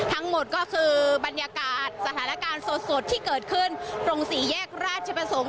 ทั้งหมดก็คือบรรยากาศสถานการณ์สดที่เกิดขึ้นตรงสี่แยกราชประสงค์